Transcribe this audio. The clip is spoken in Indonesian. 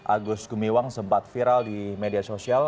agus gumiwang sempat viral di media sosial